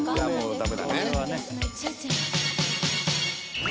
「ダメだね」